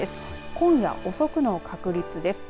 今夜遅くの確率です。